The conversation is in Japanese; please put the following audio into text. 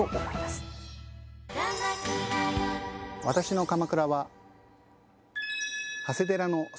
私の鎌倉は。